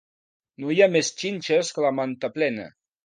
No hi ha més xinxes que la manta plena.